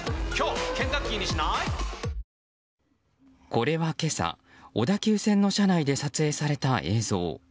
これは今朝小田急線の車内で撮影された映像。